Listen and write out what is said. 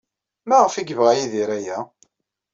Maɣef ay yebɣa Yidir aya?